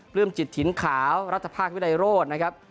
ลื้มจิตถิ่นขาวรัฐภาควิรัยโรธนะครับ